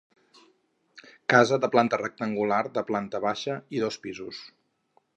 Casa de planta rectangular de planta baixa i dos pisos.